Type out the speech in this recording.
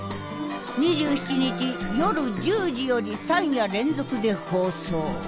２７日夜１０時より３夜連続で放送。